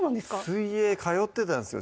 水泳通ってたんですよ